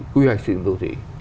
quy hoạch xây dựng đô thị